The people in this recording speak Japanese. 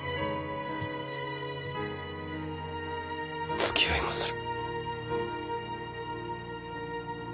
つきあいまする。